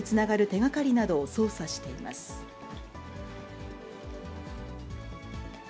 共犯者につながる手がかりなどを捜査しています。